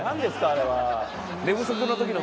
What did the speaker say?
あれは。